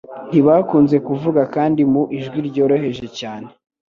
ntibakunze kuvuga kandi mu ijwi ryoroheje cyane